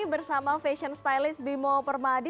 bersama fashion stylist bimo permadi